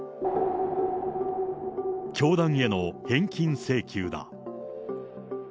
教団への返金請求だ。